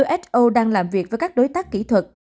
so đang làm việc với các đối tác kỹ thuật